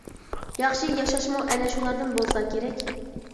ياخشى ياشاشمۇ ئەنە شۇلاردىن بولسا كېرەك.